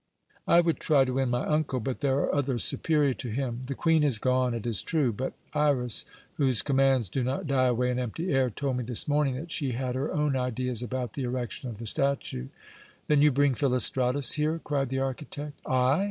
I would try to win my uncle, but there are others superior to him. The Queen has gone, it is true; but Iras, whose commands do not die away in empty air, told me this morning that she had her own ideas about the erection of the statue." "Then you bring Philostratus here!" cried the architect. "I?"